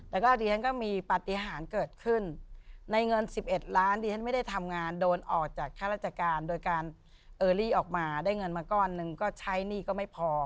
แล้วก็ดิฉันก็มีปฏิหารเกิดขึ้นในเงิน๑๑ล้านดิฉันไม่ได้ทำงานโดนออกจากค่าราชการโดยการเออรี่ออกมาได้เงินมาก้อนหนึ่งก็ใช้หนี้ก็ไม่พอ